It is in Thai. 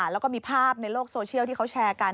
แล้วก็มีภาพในโลกโซเชียลที่เขาแชร์กัน